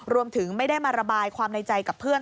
ไม่ได้มาระบายความในใจกับเพื่อน